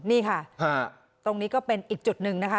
นี่ค่ะตรงนี้ก็เป็นอีกจุดหนึ่งนะคะ